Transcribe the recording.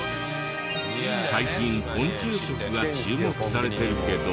最近昆虫食が注目されてるけど。